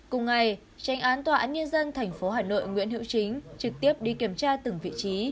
cùng ngày tranh án tòa án nhân dân tp hà nội nguyễn hữu chính trực tiếp đi kiểm tra từng vị trí